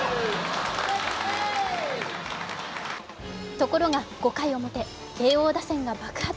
ところが、５回表慶応打線が爆発。